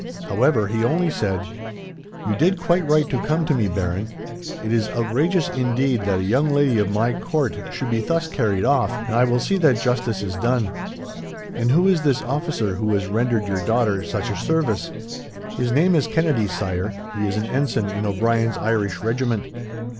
However, he only said: "'You did quite right to come to me, Baron. It is outrageous, indeed, that a young lady of my court should be thus carried off, and I will see that justice is done. And who is this officer, who has rendered your daughter such a service?' "'His name is Kennedy, Sire. He is an ensign in O'Brien's Irish regiment.'